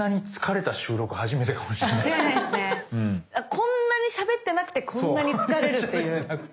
こんなにしゃべってなくてこんなに疲れるっていう。